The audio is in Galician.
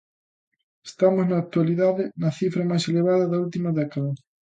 Estamos na actualidade na cifra máis elevada da última década.